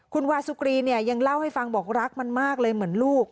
คุณวาสุกรีเนี่ยยังเล่าให้ฟังบอกรักมันมากเลยเหมือนลูก